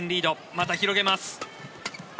また広げます。